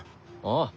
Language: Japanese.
ああ。